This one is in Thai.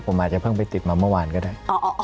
ผมอาจจะเพิ่งไปติดมาเมื่อวานก็ได้